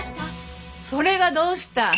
それがどうした？